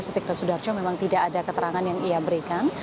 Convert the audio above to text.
sudah berkata sutikno sudarjo memang tidak ada keterangan yang ia berikan